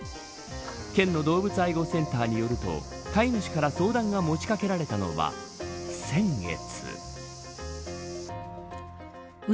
県の動物愛護センターによると飼い主から相談が持ちかけられたのは先月。